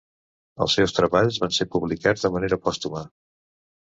Els seus treballs van ser publicats de manera pòstuma.